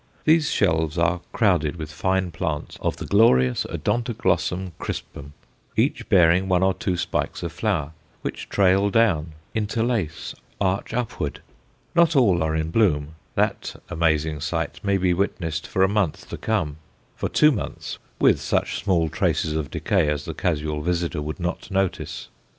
Those shelves are crowded with fine plants of the glorious O. crispum, each bearing one or two spikes of flower, which trail down, interlace, arch upward. Not all are in bloom; that amazing sight may be witnessed for a month to come for two months, with such small traces of decay as the casual visitor would not notice.